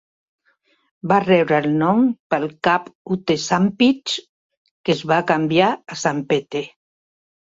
Va rebre el nom pel cap Ute Sanpitch, que es va canviar a Sanpete.